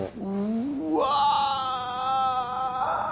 うわ！